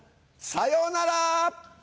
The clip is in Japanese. さよなら！